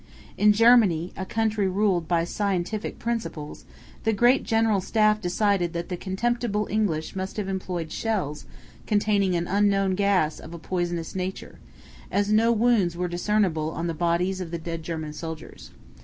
In Germany, a country ruled by scientific principles, the Great General Staff decided that the contemptible English must have employed shells containing an unknown gas of a poisonous nature, as no wounds were discernible on the bodies of the dead German soldiers.